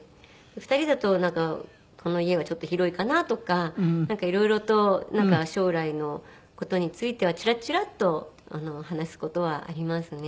２人だとこの家はちょっと広いかなとか色々と将来の事についてはちらちらっと話す事はありますね。